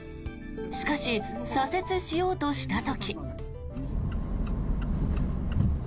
しかし左折しようとした時。